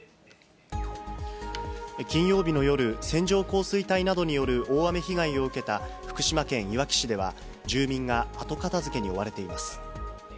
金曜日の夜、線状降水帯などによる大雨被害を受けた福島県いわき市では、住民が後片づけに追われています。